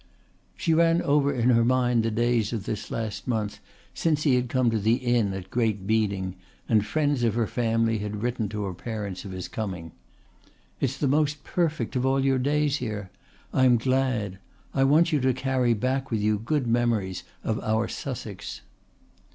She ran over in her mind the days of this last month since he had come to the inn at Great Beeding and friends of her family had written to her parents of his coming. "It's the most perfect of all your days here. I am glad. I want you to carry back with you good memories of our Sussex."